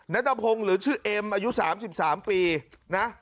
นัทพงศ์หรือชื่อเอ็มอายุ๓๓ปีนะ